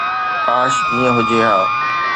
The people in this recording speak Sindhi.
ڪاش ائين هجي ها